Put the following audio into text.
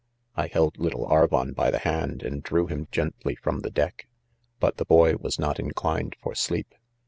I held little 1 Arvon by the.haitd and drew' him gently from the deck, but the 1 boy was not in elined for sleep.'